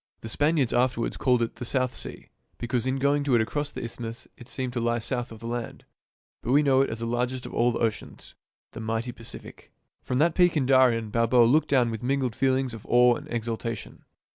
The Span iards afterwards called it the South Sea, because in going to it across the isthmus it seemed to lie south of the land ; but we know it as the largest of all the oceans, the mighty Pacific. From that peak in Darien, Balboa looked down with mingled feelings of awe and exultation.